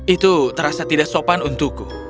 itu terasa tidak sopan untukku